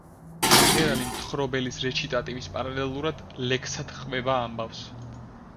მომღერალი მთხრობელის რეჩიტატივის პარალელურად ლექსად ყვება ამბავს.